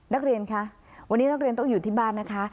นักเรียนคะวันนี้นักเรียนต้องอยู่ที่บ้านนะคะ